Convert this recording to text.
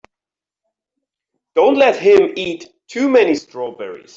Don't let him eat too many strawberries.